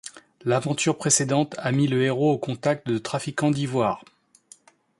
L’aventure précédente a mis le héros au contact de trafiquants d’ivoire.